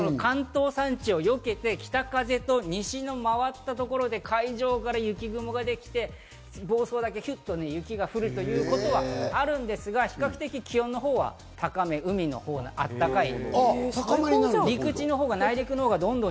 関東山地をよけて北風と西の回ったところで海上から雪雲ができて、房総だけヒュと雪が降るということがあるんですが、比較的に気温は高め、海のほうは暖かめ。